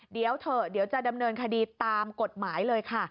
เดี๋ยวเถอะเดี๋ยวจะดำเนินคดีตามกฎหมายเลยค่ะ